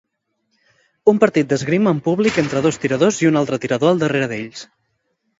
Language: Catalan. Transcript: Un partit d'esgrima amb públic entre dos tiradors i un altre tirador al darrere d'ells.